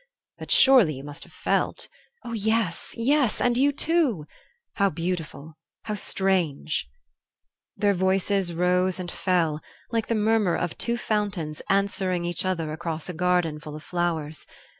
"But surely you must have felt " "Oh, yes, yes; and you, too " "How beautiful! How strange " Their voices rose and fell, like the murmur of two fountains answering each other across a garden full of flowers.